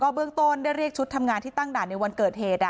เบื้องต้นได้เรียกชุดทำงานที่ตั้งด่านในวันเกิดเหตุ